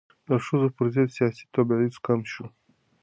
د ښځو پر ضد سیاسي تبعیض کم شو.